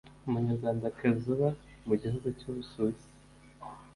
umunyarwandakazi uba mu gihugu cy’ubusuwisi